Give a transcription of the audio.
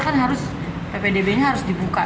kan harus ppdb nya harus dibuka